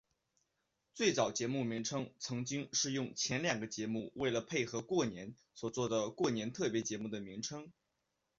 最早节目名称曾经是用前两个节目为了配合过年所做的过年特别节目的名称。